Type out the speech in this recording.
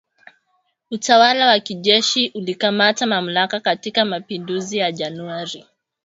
Utawala wa kijeshi ulikamata mamlaka katika mapinduzi ya Januari